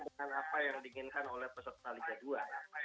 dengan apa yang diinginkan oleh peserta liga dua